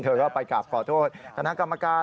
เธอก็ไปกลับขอโทษคณะกรรมการ